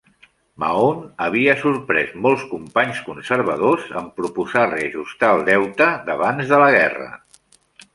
Mahone havia sorprès molts companys conservadors en proposar reajustar el deute d'abans de la guerra.